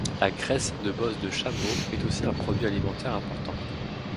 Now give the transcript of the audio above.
La graisse de bosse de chameau est aussi un produit alimentaire important.